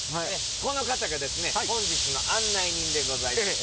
この方がですね本日の案内人でございます。